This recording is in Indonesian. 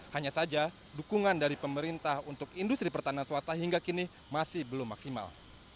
hanya saja dukungan dari pemerintah untuk industri pertahanan swasta hingga kini masih belum maksimal